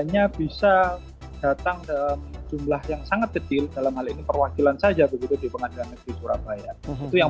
yang sangat bedil dalam hal ini perwakilan saja begitu di pengadilan negeri surabaya itu yang